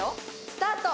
スタート！